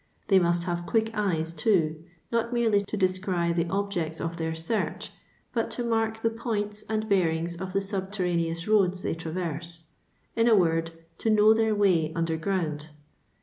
They must hare quick eyes too, not merely to descry the objects of their search, but to mark the points and bearings of the subterra neoufl roads they traverse; in a word, "to know their way underground."